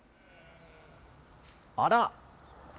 あら。